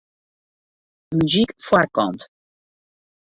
Muzyk foarkant.